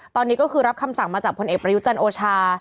ตอนนี้ก็คือรับคำสั่งมาจากพลเอกประยุจันทร์โอชา